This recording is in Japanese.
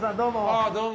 ああどうも。